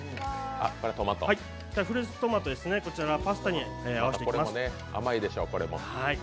フルーツトマトですね、こちらをパスタに合わせていきます。